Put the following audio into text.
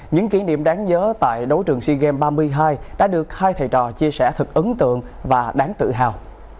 những kỷ niệm đáng nhớ tại đấu trường sea games ba mươi hai đã được hai thầy trò chia sẻ thật ấn tượng và đáng tự hào